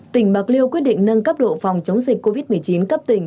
tỉnh bạc liêu quyết định nâng cấp độ phòng chống dịch covid một mươi chín cấp tỉnh